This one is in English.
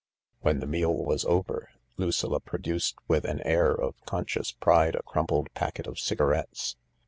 When the meal was over, Lucilla produced with an air of conscious pride a crumpled packet of cigarettes.